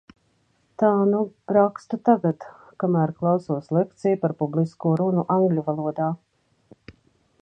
Tā nu rakstu tagad - kamēr klausos lekciju par publisko runu angļu valodā.